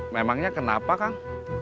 memangnya kenapa kang